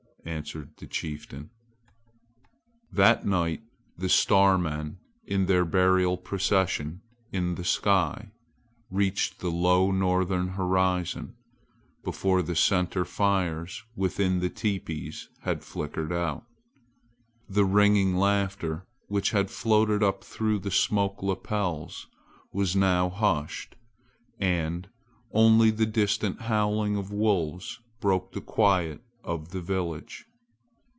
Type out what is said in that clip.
answered the chieftain. That night the star men in their burial procession in the sky reached the low northern horizon, before the center fires within the teepees had flickered out. The ringing laughter which had floated up through the smoke lapels was now hushed, and only the distant howling of wolves broke the quiet of the village.